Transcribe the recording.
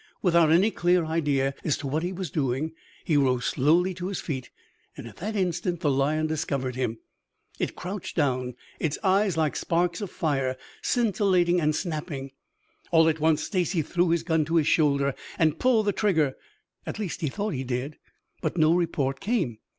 Without any clear idea as to what he was doing, he rose slowly to his feet. At that instant the lion discovered him. It crouched down, its eyes like sparks of fire, scintillating and snapping. All at once Stacy threw his gun to his shoulder and pulled the trigger. At least he thought he did. But no report came.